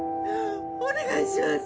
お願いします！